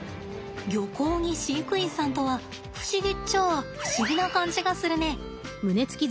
漁港に飼育員さんとは不思議っちゃあ不思議な感じがするね。